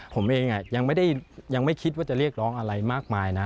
ผมเองยังไม่คิดว่าจะเรียกร้องอะไรมากมายนะ